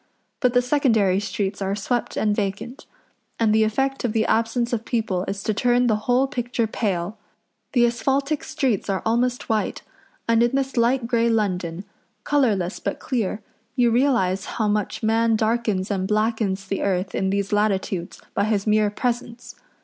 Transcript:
But the secondary streets are swept and vacant; and the effect of the absence of people is to turn the whole picture pale. The asphaltic streets are almost white, and in this light grey London, colourless but clear, you realise how much man darkens and blackens the earth in these latitudes by his mere presence.